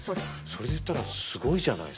それで言ったらすごいじゃない。